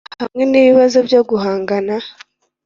hamwe n’ibibazo byo guhangana